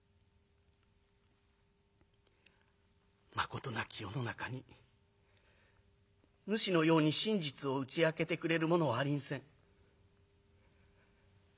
「まことなき世の中にぬしのように真実を打ち明けてくれる者はありんせん。